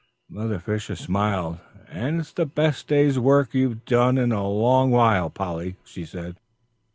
Mother Fisher smiled, "And it's the best day's work you've done in one long while, Polly," she said.